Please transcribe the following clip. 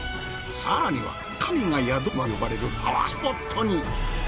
更には神が宿る岩と呼ばれるパワースポットに。